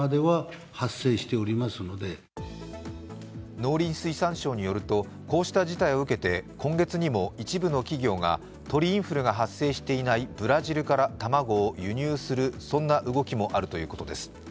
農林水産省によるとこうした事態を受けて今月にも一部の企業が鳥インフルが発生していないブラジルから卵を輸入する、そんな動きもあるということです。